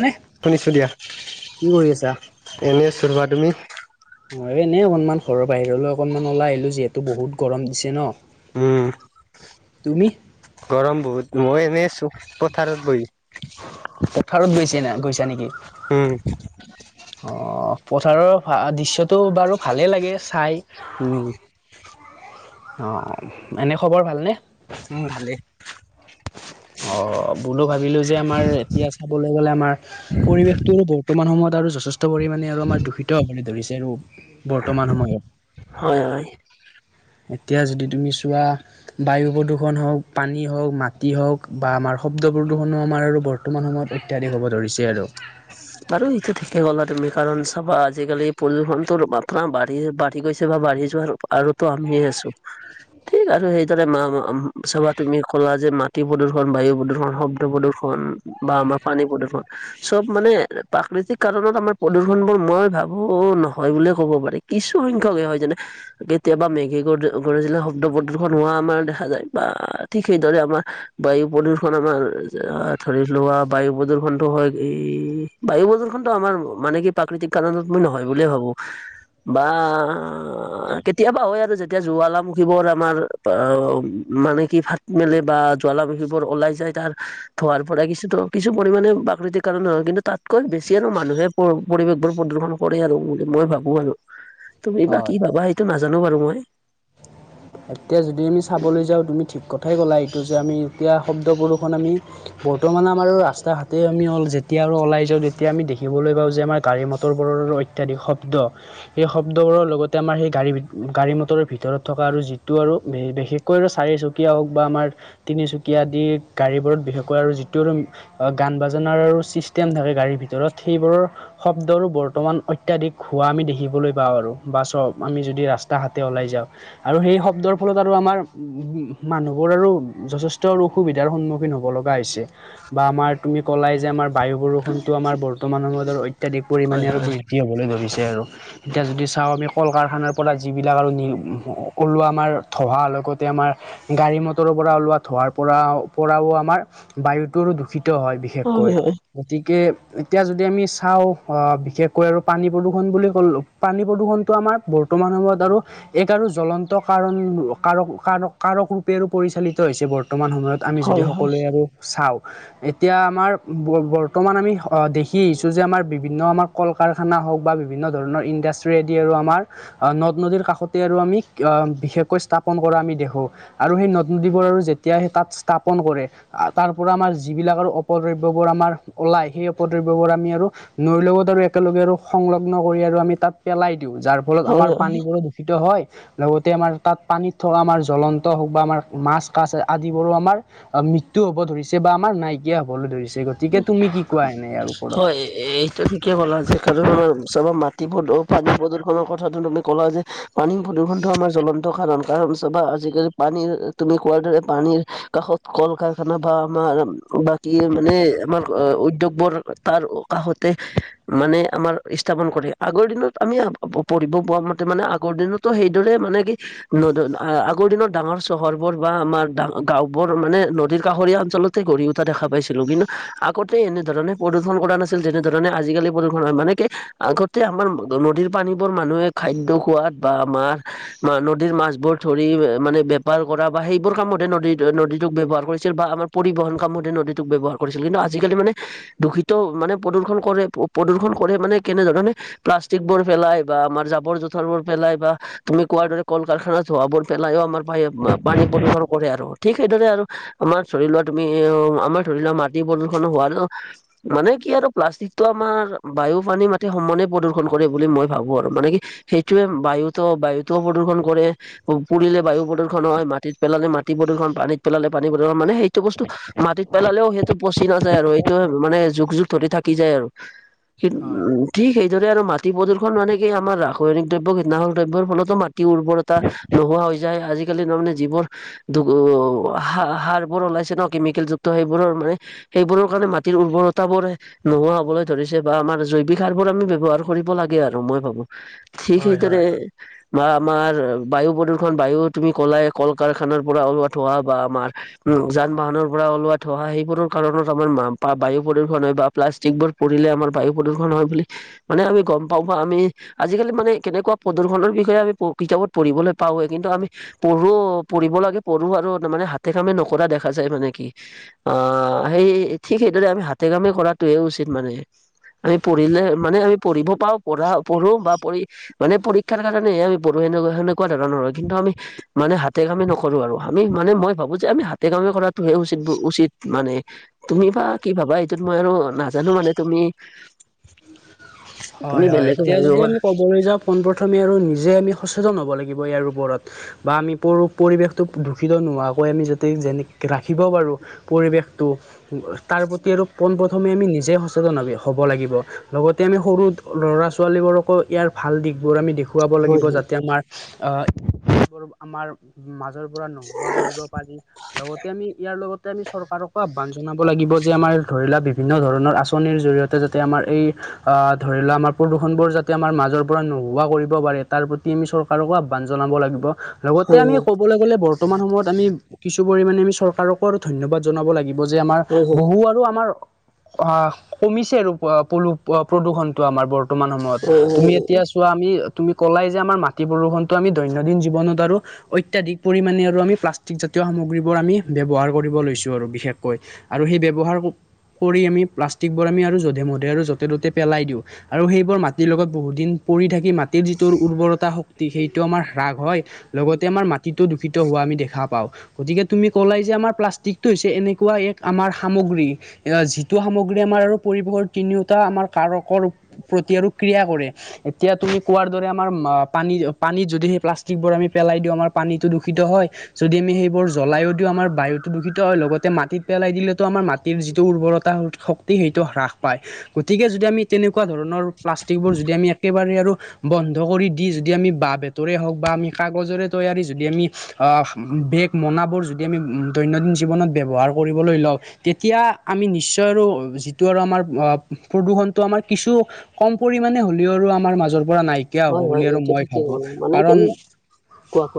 নে শুনিছোঁ দিয়া কি কৰি আছা? এনে চোৰবা তুমি ম এনে অকনমান ঘৰৰ বাহিৰলৈ অকনমান ওলাই আহিলোঁ যিহেতু বহুত গৰম দিছে ন। উম। তুমি? গৰম বহুত মই এনেই আছোঁ পথাৰত বহি পথাৰত গৈছিলা গৈছা নেকি। উম। অ', পথাৰৰ ভা দৃশ্যটো বাৰু ভালে লাগে চাই। উম। অ', এনেই খবৰ ভালনে? অ', ভালেই। অ', বোলো ভাবিলোঁ যে আমাৰ এতিয়া চাবলৈ গ'লে আমাৰ পৰিৱেশটো বৰ্তমান সময়ত আৰু যথেষ্ট পৰিমাণে আৰু আমাৰ দূষিত হ'বলৈ ধৰিছে আৰু। বৰ্তমান হয় সময়ত হয় এতিয়া যদি তুমি চোৱা বায়ু প্ৰদূষণ হওক, পানী হওক, মা টি হওক বা আমাৰ শব্দ প্ৰদূষণো আমাৰ আৰু বৰ্তমান সময়ত অত্যাধিক হ'ব ধৰিছে আৰু। বাৰু ইটো ঠিকেই কলা আৰু তুমি কাৰণ চাবা আজিকালি প্ৰদূষণতো মাত্ৰা বাঢ়ি বা ঢ়ি গৈছে বা বাঢ়ি যোৱাৰ আৰুতো আমিয়ে আছো ঠিক আৰু সেইদৰে মা- মা চাবা তুমি ক'লা যে মাটি প্ৰদূষণ, বায়ু প্ৰদূষণ হওক ত প্ৰদূষণ বা আমাৰ পানী প্ৰদূষণ চব মানে প্ৰাকৃতিক কাৰণত আমাৰ প্ৰদূষণবোৰ মই ভাবোঁ নহয় বুলিয়ে ক'ব পাৰি। কিছু সংখ্যকে হয় যেনে কেতিয়াবা মেগী গ গৰিজিলে শব্দ প্ৰদূষণ হোৱা আমাৰ দেখা যায় বা ঠিক সেইদৰে আমাৰ বায়ু প্ৰদূৰ্ষণ আমাৰ যে আ ধৰি লোৱা বায়ু প্ৰদূষণটো হয় এই বায়ু প্ৰদূষনটো আমাৰ মানে কি প্ৰাকৃতিক কাৰণত মই নহয় বুলিয়ে ভাবো। বা কেতিয়াবা হয় আৰু যেতিয়া জ্বালামুখীবোৰ আমাৰ অ মানে কি ফাট মেলে বা জ্বালামুখীবোৰ ওলাই যায় তাৰ থোৱাৰ পৰাই কিছুটো কিছু পৰিমাণে প্ৰাকৃতিক কাৰো নহয় কিন্তু তাতকৈ বেছি আৰু মানুহে পৰ পৰিৱেশবোৰ প্ৰদূষন কৰে আৰু বুলি মই ভাবো আৰু। তুমি বা কি হয় ভাবা সেইটো নাজানো বাৰু মই। এতিয়া যদি আমি চাবলৈ যাওঁ তুমি ঠিক কথাই ক'লা, এইটো যে আমি এতিয়া শব্দ প্ৰদূষণ আমি বৰ্তমানে আমাৰ ৰাস্তা - ঘাটে আমি হল যেতিয়া আৰু ওলাই যাওঁ তেতিয়া আমি দেখিবলৈ পাওঁ যে আমাৰ গাড়ী - মটৰবোৰৰ অ ইত্যাদি শব্দ সেই শব্দবোৰৰ লগতে আমাৰ সেই গাড়ী- গাড়ী মটৰৰ ভিতৰত থকা আৰু যিটো আৰু বি বিশেষকৈ আৰু চাৰিচকীয়া হওক বা আমাৰ তিনিচুকীয়া আদি গাড়ীবোৰত বিশেষকৈ আৰু যিটোৰ অ গান বাজানাৰো চিষ্টেম থাকে গাড়ীৰ ভিতৰত সেইবোৰৰ শব্দৰো বৰ্তমান অত্যাধিক হোৱা আমি দেখিবলৈ পাওঁ আৰু বাচৰ, আমি যদি ৰাস তা ঘাটে ওলাই যাওঁ। আৰু সেই শব্দৰ ফলত আৰু আমাৰ উম মানুহবোৰ আৰু যথেষ্ট আৰু অসুবিধাৰ সন্মুখীন হ'ব ল গা হৈছে বা আমাৰ তুমি ক'লাই যে আমাৰ বায়ু প্ৰদূষণটো আমাৰ বৰ্তমান সময়ৰ অত্যাধিক পৰিমাণে হয় আৰু হয় বৃদ্ধি হবলৈ ধৰিছে আৰু। এতিয়া যদি চাওঁ আমি কল কাৰখানাৰ পৰা যিবিলাক আৰু নি ম ওলোৱা আমাৰ ধোঁৱাৰ লগতে আমাৰ গাড়ী মটৰৰ পৰা ওলোৱা ধোঁৱাৰ পৰাও পৰাও আমাৰ বায়ুটো দূষিত হয়। বিশ শেষকৈ। গতিকে এতিয়া যদি আমি চাওঁ অ বিশেষকৈ আৰু পানী প্ৰদূৰ্ষণ বুলি কলো পানী প্ৰদূষণটো আমাৰ বৰ্তমান সময়ত আৰু এক আৰু জ্বলন ত কাৰণ কাৰ- কাৰ- কাৰকৰূপে আৰু পৰিচালিত হৈছে বৰ্তমান সময়ত। আমি যদি হয় সকলোৱে আৰু চাওঁ। এতিয়া আমাৰ ব বৰ্তমান আমি হ দেখি আহিছোঁ যে আমাৰ বিভিন্ন আমাক কল কাৰখানা হওক বা বিভিন্ন ধৰণৰ ইণ্ডাষ্ট্ৰিয়েদি আৰু আমাৰ আ নদ - নদীৰ কাষতে আৰু আমি কিয়ম বিশেষকৈ স্থাপন কৰা আমি দেখো, আৰু সেই নদ - নদীবোৰ আৰু যেতিয়াই তাত স্থাপন কৰে আ তাৰ পৰা আমাৰ যিবিলাক আৰু অপদ্ৰব্যবোৰ আমাৰ ওলাই সেই অপদ্ৰব্যবোৰ আমি আৰু নৈৰ লগত আৰু একেলগে আৰু সংলগ্ন কৰি আৰু আমি তাত পেলাই দিওঁ। যাৰ ফলত হয় আমাৰ হয় পানীবোৰো দূষিত হয় লগতে আমাৰ তাত পানীত থকা আমাৰ জ্বলন্ত হওক বা আমাৰ মাছ- কাছ আদিবোৰো আমাৰ অ মৃত্যু হব ধৰিছে বা আমাৰ নাইকিয়া হবলৈ ধৰিছে গতিকে তুমি কি কোৱা এনে ইয়াৰ এ ওপৰত? এইটো [unintelligible] কে কলা যে কাৰণ আমাৰ চাবা মাটি প্ৰদ পানী প্ৰদূষণৰ কথাটো তুমি ক'লা যে পানী প্ৰদূষণটো আমাৰ জ্বলন্ত কাৰণ কাৰণ চাবা আজিকালি পানীৰ তুমি কোৱাৰ দৰে পানীৰ কাষত কল কাৰখানা বা আমাৰ বাকীয়ে মানে আমাৰ আ উদ্যোগবোৰ তাৰ কাষতে মানে আমাৰ স্থাপন কৰে আগৰ দিনত আমি পঢ়িব পোৱা মতে মানে আগৰ দিনত তো' সেইদৰে মানে কি নদন আগৰ দিনৰ ডাঙৰ চহৰবোৰ বা আমাৰ ডা গাঁওবোৰ মানে নদীৰ কাষৰীয়া অঞ্চলত গঢ়ি উঠা দেখা পাইছিলোঁ কিন্তু আগতে এনেধৰণে প্ৰদূৰ্ষন কৰা নাছিল যেনেধৰণে আজিকালি প্ৰদূষণ হয় মানে কি আগত তে আমাৰ নদীৰ পানীবোৰ মানুহে খাদ্য খোৱাত বা আমাৰ নদীৰ মাছবোৰ ধৰি মানে বেপাৰ কৰা বা সেইবোৰ কামতে নদী নদীটোক ব্যৱহাৰ কৰিছিল বা আমাৰ পৰিবহন কামতে নদীটোক ব্যৱহাৰ কৰিছিল কিন্তু আজিকালি মানে দূষিত মানে প্ৰদূৰ্ষণ কৰে প্ৰদূষণ কৰে মানে কেনেধৰণে প্লাষ্টিক বোৰ পেলাই বা আমাৰ জাৱৰ জোথৰ বোৰ পেলাই বা তুমি কোৱাৰ দৰে কল কাৰখানাৰ ধোঁৱা বোৰ পেলাইও আমাৰ পানী প্ৰদূষণ কৰে আৰু ঠিক সেইদৰে আৰু আমাৰ ধৰি লোৱা তুমি আমাৰ ধৰি লোৱা মাটি প্ৰদূষণ হোৱাটো মানে কি আৰু প্লাষ্টিকটো আমাৰ বায়ু পানী মাটি সমানে প্ৰদূষণ কৰে বুলি মই ভাবো আৰু মানে কি সেইটোৱে বায়ুতো বায়ুতো প্ৰদূৰ্ষণ কৰে পুুৰিলে বায়ু প্ৰদূষণ হয় মাটিত পেলালে মা টি প্ৰদূষণ পানীত পেলালে পানী প্ৰদূৰ্ষণ মানে সেইটো বস্তু মাটিত পেলালেও সেই টো পচি নাযায় আৰু এইটো মানে যুগ যুগ ধৰি থাকি যায় আৰু হয় [unintelligible] ঠিক সেইদৰে আৰু মাটি প্ৰদূৰ্ষণ মানে কি আমাৰ ৰাসায়নিক দ্ৰব্য কীটনাশক দ্ৰব্যৰ ফলতো মাটিৰ উৰ্বৰতা নোহোৱা হৈ যায় আজিকালি তাৰ মানে যিবোৰ [unintelligible] সাৰ বোৰ ওলাইছে ন কেমিকেল যুক্ত সেইবোৰৰ মানে সেইবোৰৰ কাৰণে মাটিৰ উৰ্বৰতা বোৰে নোহোৱা হ'বলৈ ধৰিছে বা আমাৰ জৈৱিক সাৰবোৰ আমি ব্যৱহাৰ কৰিব লাগে আৰু মই ভাবোঁ ঠিক হয় হয় সেইদৰে বা আমাৰ বায়ু প্ৰদূৰ্ষণ বায়ু তুমি কলায়ে কল কাৰখানাৰ পৰা ওলোৱা ধোঁৱা বা আমাৰ উম যান বাহনৰ পৰা ওলোৱা ধোৱা সেইবোৰৰ কাৰণত আমাৰ মামপা বায়ু প্ৰদূষণ হয় বা প্লাষ্টিক বোৰ পুৰিলে আমাৰ বায়ু প্ৰদূৰ্ষণ হয় বুলি মানে আমি গম পাওঁ বা আমি আজিকালি মানে কেনেকোৱা প্ৰদূৰ্ষণৰ বিষয়ে আমি প কিতাপত পঢ়িবলৈ পাওঁৱে কিন্তু আমি পঢ়ো পঢ়িব লাগে পঢ়ো আৰু তাৰ মানে হাতে কামে নকৰা দেখা যায় মানে কি আ আ সেই ঠিক সেইদৰে আমি হাতে কামে কৰাটোৱে উচিত মানে আমি পঢ়িলে মানে আমি পঢ়িব পাওঁ পঢ়া পঢ়ো বা পঢ়ি মানে পৰীক্ষাৰ কাৰণেহে আমি পঢ়ো সেনেকোৱা সেনেকোৱা ধৰণৰ হয় কিন্তু আমি মানে হাতে কামে নকৰোঁ আৰু আমি মানে মই ভাবো যে আমি হাতে কামে কৰাটোহে উচিত উচিত মানে তুমি বা কি ভাবা এইটোত মই আৰু নাজানো মানে তুমি তুমি বেলেগো ভাবিব পাৰা। পঢ়ি যাওঁ পোনপ্ৰথমে আৰু নিজে আমি সচেতন হ'ব লাগিব ইয়াৰ ওপৰত বা আমি পৰু পৰিৱেশটোক দূষিত নোহোৱাকৈ আমি যদি যেনেকে ৰাখিব পাৰোঁ পৰিৱেশটো তাৰ প্ৰতি আৰু পোন প্ৰথমে আমি নিজে সচেতন হ'ব লাগিব লগতে আমি সৰু ল'ৰা ছোৱালীবোৰকো ইয়াৰ ভাল দিশবোৰ আমি দেখুৱাব লাগিব হয় যাতে আমাৰ আ [unintelligible] আমাৰ মাজৰ পৰা নোহোৱা কৰিব পাৰি, লগতে আমি ইয়াৰ লগত তে আমি চৰকাৰকো আহ্বান জনাব লাগিব যে আমাৰ ধৰি লোৱা বিভিন্ন ধৰণৰ আঁচনিৰ জৰিয়তে যাতে আমাৰ এই আ ধৰি লোৱা আমাৰ প্ৰদূষণবোৰ যাতে আমাৰ মাজৰ পৰা নোহোৱা কৰিব পাৰে, তাৰ প্ৰতি আমি চৰ কাৰকো আহ্বান জনাব লাগিব। লগতে আমি হয় ক'বলৈ গ'লে বৰ্তমান সময়ত আমি কিছু পৰিমাণে আমি চৰকাৰকো আৰু ধন্যবাদ জনাব লাগি ব যে আমাৰ হয় হয় বহু আৰু আমাৰ আঁ কমিছে আৰু আঁ পলু প্ৰ প্ৰদূষণটো আমাৰ বৰ্তমান সময়ত, হয় হয় হয় তুমি এতিয়া চো ৱা আমি তুমি ক'লাই যে, আমাৰ মাটি প্ৰদূৰ্ষণটো আমি দৈনন্দিন জীৱনত আৰু অত্যাধিক পৰিমাণে আৰু আমি প্লাষ্টিকজাতীয় সামগ্ৰীবোৰ আমি ব্যৱহাৰ কৰিব লৈছোঁ আৰু বিশেষকৈ। আৰু সেই ব্যৱহাৰ কৰি আমি প্লাষ্টিক বোৰ আমি আৰু যধে মধে আৰু য তে ততে পেলাই দিওঁ, আৰু সেইবোৰ মাটিৰ লগত বহুত দিন পৰি থাকি মাটিৰ যিটো উৰ্বৰতা শক্তি সেইটো আমাৰ হ্ৰাস হয়। লগতে আমাৰ মাটিটো দূষিত হোৱা আমি দেখা পাওঁ। গতিকে তুমি ক'লাই যে, আমাৰ প্লাষ্টিকটো হৈছে এনেকুৱা এক আমাৰ সামগ্ৰী যিটো সামগ্ৰী আমাৰ আৰু পৰিৱেশৰ তিনিওটা আমাৰ কাৰকৰ প্ৰতি আৰু ক্ৰিয়া কৰে। এতিয়া তুমি কোৱাৰ দৰে আমাৰ পানী পানীত যদি সেই প্লাষ্টিকবোৰ আমি পেলাই দিওঁ আমাৰ পানীটো দূষিত হয়। যদি আমি সেইবোৰ জ্বলাইও দিও আমাৰ বায়ুতটো দূষিত হয়, লগতে মাটিত পেলাই দিলেতো আমাৰ মাটিৰ যিটো উৰ্বৰতা শক্তি সেইটো হ্ৰাস পায়। গতিকে যদি আমি তেনেকুৱা ধৰণৰ প্লাষ্টিকবোৰ যদি আমি একেবাৰে আৰু বন্ধ কৰি দি যদি আমি বাঁহ বেতৰে হওক বা আমি কাগজৰে তৈয়াৰী যদি আমি আঁহ বেগ মনাবোৰ যদি আমি দৈনন্দিন জীৱনত ব্যৱহাৰ কৰিবলৈ লওঁ। তেতিয়া আমি নিশ্চয় আৰু যিটো আৰু আমাৰ অঁ প্ৰদূষণটো আমাৰ কিছু কম পৰিমানে হ'লেও আৰু আমাৰ মাজৰ পৰা নাই। কিয়া হয় হ'ব হয় হয় বুলি আৰু এইটো মই ঠিকেই ভাবো, হ'ল মানে কাৰণ কেনে কোৱা কোৱা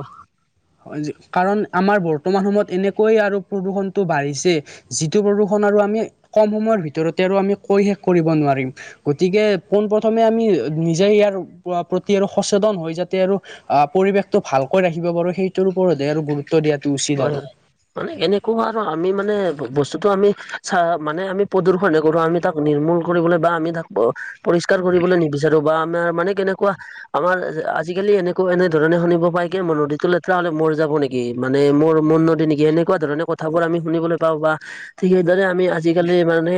কাৰণ আমাৰ বৰ্তমান সময়ত এনেকৈয়ে আৰু প্ৰদূষণটো বাঢ়িছে। যিটো প্ৰদূষণ আৰু আমি কম সময়ৰ ভিতৰতে আৰু আমি কৈ শেষ কৰিব নোৱাৰিম। গতিকে পোন প্ৰথমে আমি নিজে ইয়াৰ প্ৰতি আৰু সচেতন হয় যাতে আৰু আঁহ পৰিৱেশটো ভালকৈ ৰাখিব পাৰো সেইটোৰ ওপৰতহে আৰু গুৰুত্ব দিয়াটো উচিত হয় আৰু। হয় মানে এনেকুৱা আৰু আমি মানে বস্তুতটো আমি চা মানে আমি প্ৰদূশনে কৰো, আমি তাক নিৰ্মূল কৰিবলৈ বা আমি তাক পৰিষ্কাৰ কৰিবলৈ নিবিচাৰো, বা আমাৰ মানে কেনেকুৱা আমাৰ আজিকালি এনেকুৱা এনে ধৰণে শুনিব পায়গে মই নদীতো লেতেৰা হলে মৰ যাব নেকি। মানে মোৰ মোৰ নদী নেকি সেনেকুৱা ধৰণে কথাবোৰ আমি শুনিবলৈ পাওঁ বা ঠিক সেইদৰে আমি আজিকালি মানে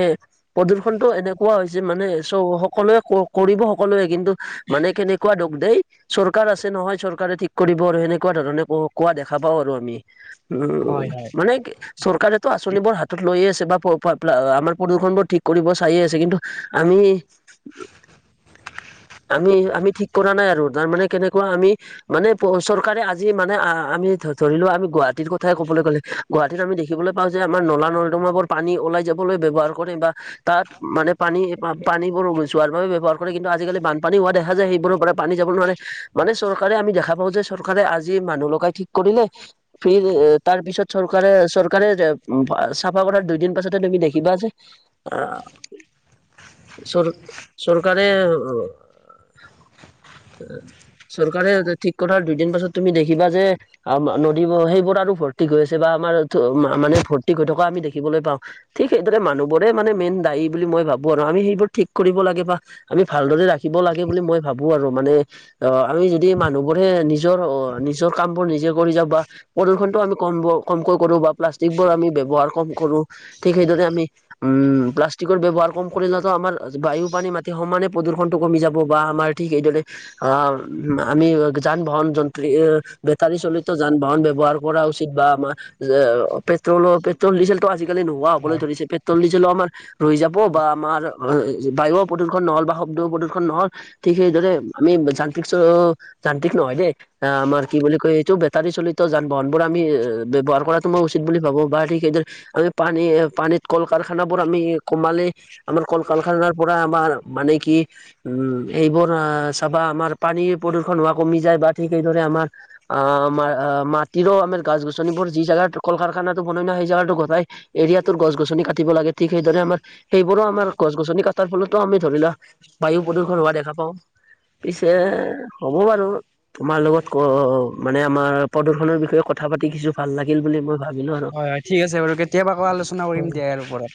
প্ৰদূ্ষণতটো এনেকুৱা হৈছে, মানে চ সকলোৱে কৰিব সকলোৱে কিন্তু মানে কেনেকুৱা দোষ দেই চৰকাৰ আছে নহয় চৰকাৰে ঠিক কৰিব আৰু সেনেকুৱা ধৰণে ক কোৱা দেখা পাওঁ আৰু। যি উম হয় হয় মানে চৰকাৰেতো আঁচনিবোৰ হাতত লৈয়ে আছে বা আমাৰ প্ৰ প্ৰ প্লালা আমাৰ প্ৰদূষনবোৰ ঠিক কৰিব চাই আছে, কিন্তু আমি আমি আমি ঠিক কৰা নাই আৰু, তাৰমানে কেনেকুৱা আমি মানে প চৰকাৰে আজি মানে আমি ধৰিলো আমি গুৱাহাটীৰ কথাই কবলৈ গলে গুৱাহাটীত আমি দেখিবলৈ পাওঁ যে আমাৰ নলা নৰ্দমাবোৰ পানী ওলাই যাবলৈ ব্যৱহাৰ কৰে বা তাত মানে পানী পানীবোৰ যোৱাৰ বাবে ব্যৱহাৰ কৰে কিন্তু আজিকালি বান পানী হোৱা দেখা যায়, সেইবোৰৰ পৰা পানী যাব নোৱাৰে মানে চৰকাৰে আমি দেখা পাওঁ যে চৰকাৰে আজি মানুহ লগাই ঠিক কৰিলে, ফিৰ তাৰ পিছত চৰকাৰে চৰকাৰে চাফা কৰাৰ দুইদিন পাছতে তুমি দেখিবা যে অ অ চৰু চৰকাৰে চৰকাৰে ঠিক কথাৰ দুদিন পাছত তুমি দেখিবা যে নদী সেই বোৰ আৰু ফৰ গৈ আছে বা আমাৰ মানে ভৰ্তি হৈ থকা আমি দেখিবলৈ পাওঁ। ঠিক সেইদৰে মানুহবোৰে মানে মেইন দায়ী বুলি মই ভাবো আৰু আমি সেইবোৰ ঠিক কৰিব লাগে বা আমি ভালদৰে ৰাখিব লাগে বুলি মই ভাবো আৰু মানে অ আমি যদি মানুহবোৰে নিজৰ অ নিজৰ কাম বোৰ নিজে কৰি যাওঁ বা প্ৰদূষণতটো আমি কম কমকৈ কৰো বা প্লাষ্টিক বোৰ আমি ব্যৱহাৰ কম কৰোঁ। ঠিক সেইদৰে আমি উম প্লাষ্টিকৰ ব্যৱহাৰ কম কৰিলেঁতো আমাৰ বায়ু পানী মাটি সমানে প্ৰদূ্ষণ টো কমি যাব, বা আমাৰ ঠিক এইদৰে অ', আমি যান বাহন যন্ত্ৰ বেটাৰী চলিত যান বাহন ব্যৱহাৰ কৰা উচিত, বা আমাৰ পেট্ৰলৰ পেট্ৰল ডিজেলতো আজিকালি নোহোৱা হ'বলৈ হয় ধৰিছে, পেট্ৰল ডিজেলো আমাৰ ৰৈ যাব বা আমাৰ বায়ু প্ৰদূৰ্ষণ ন'হল বা শব্দ প্ৰদূৰ্ষণ ন'হল ঠিক সেইদৰে আমি যান্তিক নহয় দেই, আমাৰ কি বুলি কয় এইটো বেটাৰি চলিত যান বাহনবোৰ আমি ব্যৱহাৰ কৰাটো মই উচিত বুলি ভাবোঁ বা ঠিক সেইদৰে আমি পানী পানীত কল কাৰখানাবোৰ আমি কমালেই আমাৰ কল কাৰখানাৰ পৰা আমাৰ মানে কি উম এইবোৰ আহ চাবা আমাৰ পানী প্ৰদূষণ হোৱা কমি যায় বা ঠিক সেইদৰে আমাৰ অ' আমাৰ মাটিৰো আমাৰ গছ গছনিবোৰ যি জাগাত কল কাৰখানাতো বনাই না সেই জেগাতো গোটেই এৰিয়াটোৰ গছ গছনি কাটিব লাগে, ঠিক সেইদৰে আমাৰ সেইবোৰো আমাৰ গছ গছনি কাটাৰ ফলতো আমি ধৰি লোৱা বায়ু প্ৰদূষণ হোৱা দেখা পাওঁ। পিছে হ'ব বাৰু, তোমাৰ লগত ক মানে আমাৰ প্ৰদূষনৰ বিষয়ে কথা পাতি কিছু ভাল লাগিল বুলি মই ভাবিলো আৰু হয় হয় ঠিক আছে বাৰু কেতিয়াবা আকৌ আলোচনা কৰিম দিয়া ইয়াৰ ওপৰত